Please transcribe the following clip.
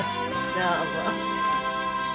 どうも。